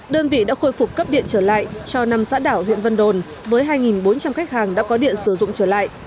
đơn vị đã khôi phục cấp điện trở lại cho năm xã đảo huyện vân đồn với hai bốn trăm linh khách hàng đã có điện sử dụng trở lại